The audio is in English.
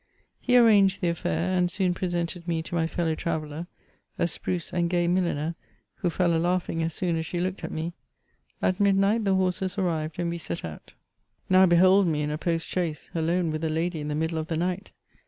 He' arranged the a£Bur, and soon presented me to my fellow traveller — a spruce and gay mil liner, who fell a laughing as soon as ^e looked at me. At midnight the horses arrived, and we set out. Now behold me in a post chaise, alone with a lady in the middle of the night.